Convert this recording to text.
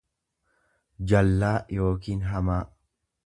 jallaa yookiin hamaa.